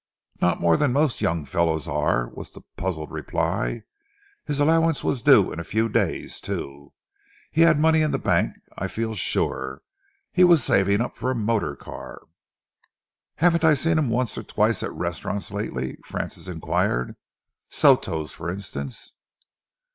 "Not more than most young fellows are," was the puzzled reply. "His allowance was due in a few days, too. He had money in the bank, I feel sure. He was saving up for a motorcar." "Haven't I seen him once or twice at restaurants lately?" Francis enquired. "Soto's, for instance?"